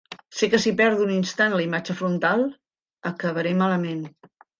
Sé que si perdo un instant la imatge frontal acabaré malament.